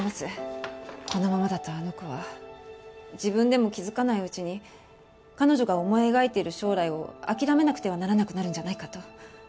このままだとあの子は自分でも気づかないうちに彼女が思い描いている将来を諦めなくてはならなくなるんじゃないかと。